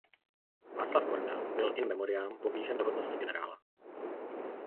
Václav Korda byl in memoriam povýšen do hodnosti generála.